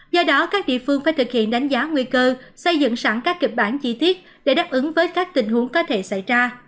do đó các địa phương phải thực hiện đánh giá nguy cơ xây dựng sẵn các kịch bản chi tiết để đáp ứng với các tình huống có thể xảy ra